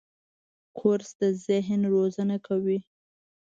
کورس د ذهن روزنه کوي.